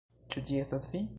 Ĉu ĝi estas vi?